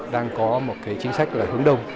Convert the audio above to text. đang có một chính sách hướng đông